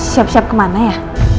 siap siap kemana ya